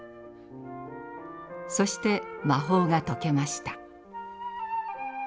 そして魔法が解けました。